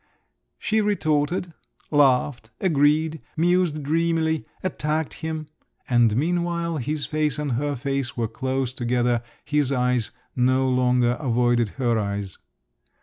She retorted, laughed, agreed, mused dreamily, attacked him … and meanwhile his face and her face were close together, his eyes no longer avoided her eyes….